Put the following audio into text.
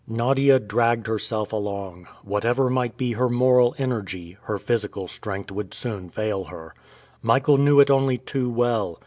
Nadia dragged herself along. Whatever might be her moral energy, her physical strength would soon fail her. Michael knew it only too well.